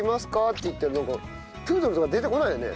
って言ったらプードルとか出てこないよね？